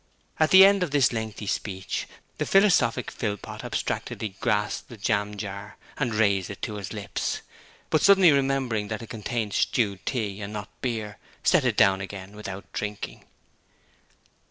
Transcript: At the end of this lengthy speech, the philosophic Philpot abstractedly grasped a jam jar and raised it to his lips; but suddenly remembering that it contained stewed tea and not beer, set it down again without drinking.